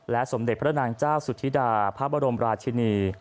สมเด็จพระนางเจ้าสุธิดาพระบรมราชินี